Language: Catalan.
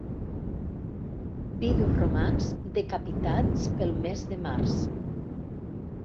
Vidus romans decapitats pel mes de març.